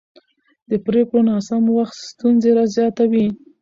د پرېکړو ناسم وخت ستونزې زیاتوي